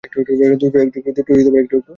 দুটোই একটু একটু।